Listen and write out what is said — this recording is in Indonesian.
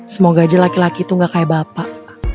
semoga aja laki laki itu gak kayak bapak